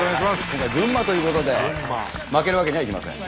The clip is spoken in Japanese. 今回群馬ということで負けるわけにはいきません。